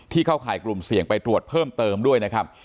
เข้าข่ายกลุ่มเสี่ยงไปตรวจเพิ่มเติมด้วยนะครับ